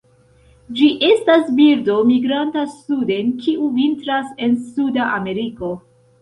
Ĝi estas birdo migranta suden kiu vintras en Suda Ameriko.